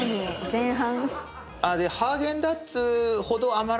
前半。